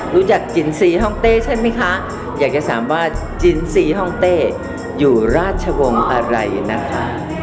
รู้จักจินซีฮ่องเต้ใช่ไหมคะอยากจะถามว่าจินซีฮ่องเต้อยู่ราชวงศ์อะไรนะคะ